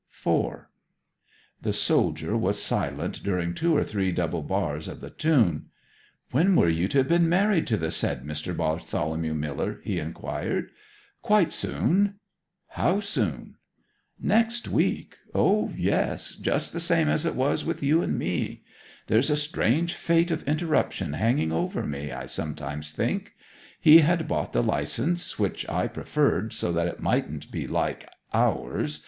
IV The soldier was silent during two or three double bars of the tune. 'When were you to have been married to the said Mr. Bartholomew Miller?' he inquired. 'Quite soon.' 'How soon?' 'Next week O yes just the same as it was with you and me. There's a strange fate of interruption hanging over me, I sometimes think! He had bought the licence, which I preferred so that it mightn't be like ours.